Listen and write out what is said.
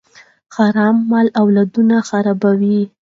حرام مال اولادونه خرابوي.